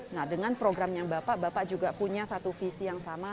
nah dengan program yang bapak bapak juga punya satu visi yang sama